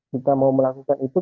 kita mau melakukan itu